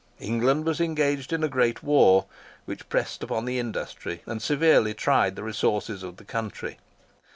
England was engaged in a great war, which pressed upon the industry, and severely tried the resources, of the country.